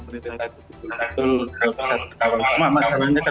mudah mudahan nyatakan pemerintah itu bisa diatur